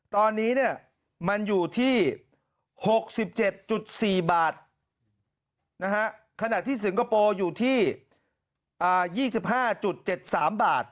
ตอนนี้มันอยู่ที่๖๗๔บาทขณะที่สิงคโปร์อยู่ที่๒๕๗๓บาท